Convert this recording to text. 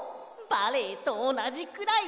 バレエとおなじくらい。